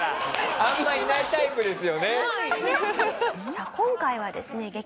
さあ今回はですね激